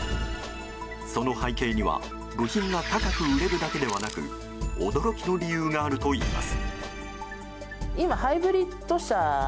その背景には部品が高く売れるだけではなく驚きの理由があるといいます。